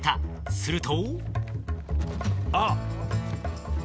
すると。